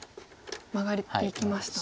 マガっていきました。